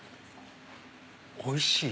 おいしい！